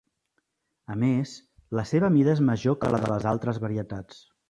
A més, la seva mida és major que la de les altres varietats.